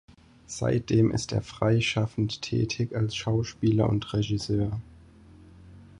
Seitdem ist er freischaffend tätig als Schauspieler und Regisseur.